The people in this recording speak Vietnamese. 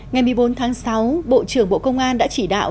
ngày một mươi bốn tháng sáu bộ trưởng bộ công an đã chỉ đạo